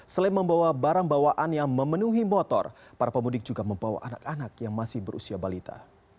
selain membawa barang bawaan yang memenuhi motor para pemudik juga membawa anak anak yang masih berusia balita